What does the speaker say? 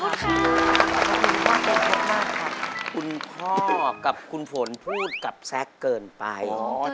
คุณพ่อกับคุณฝนพูดกับแซคเกินไป